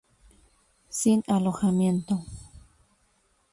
Sin alojamiento.